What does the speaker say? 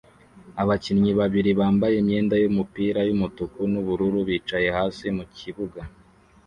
Abakinnyi babiri bambaye imyenda yumupira yumutuku nubururu bicaye hasi mukibuga